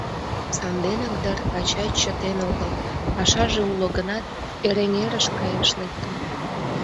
Санденак дыр Вачай чытен огыл, пашаже уло гынат, Эреҥерыш каяш лектын.